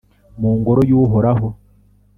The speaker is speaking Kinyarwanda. mu Ngoro y’Uhoraho.